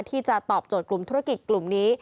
ที่จะตอบโจทย์กลุ่มธุรกิจกลุ่มนี้